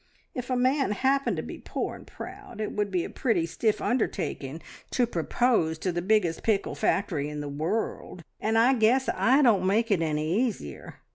If a man happened to be poor and proud, it would be a pretty stiff undertaking to propose to the biggest pickle factory in the world, and I guess I don't make it any easier.